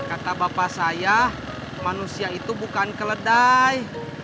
kata bapak saya manusia itu bukan keledai